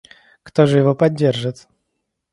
Кто же его поддержит?